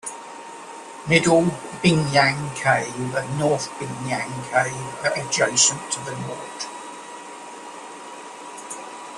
Middle Binyang Cave and North Binyang Cave are adjacent to the nort.